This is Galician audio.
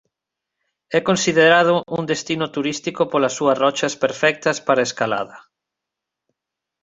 É considerado un destino turístico polas súas rochas perfectas para a escalada.